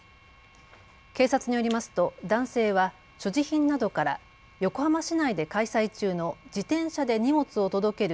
警察によりますと男性は所持品などから横浜市内で開催中の自転車で荷物を届ける